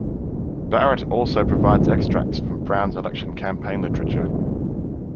Barrett also provides extracts from Brown`s election campaign literature.